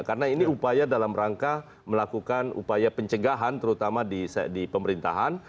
karena ini upaya dalam rangka melakukan upaya pencegahan terutama di pemerintahan